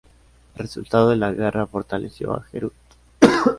El resultado de la guerra fortaleció al Herut.